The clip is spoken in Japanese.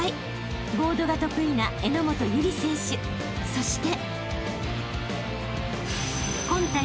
［そして］